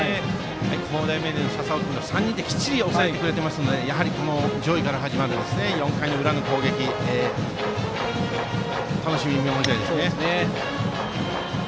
愛工大名電の笹尾君が３人できちんと抑えてくれたのでやはり、上位から始まる４回裏の攻撃を楽しみに見守りたいですね。